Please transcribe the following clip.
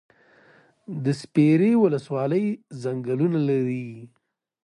د سپیرې ولسوالۍ ځنګلونه لري